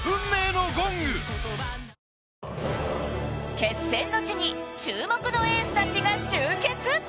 決戦の地に注目のエースたちが集結！